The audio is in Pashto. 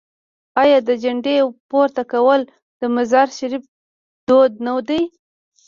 آیا د جنډې پورته کول د مزار شریف دود نه دی؟